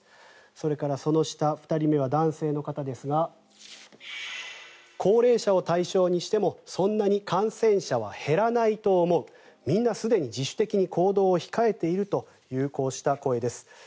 それからその下２人目は男性の方ですが高齢者を対象にしてもそんなに感染者は減らないと思うみんなすでに自主的に行動を控えているというこうした声です。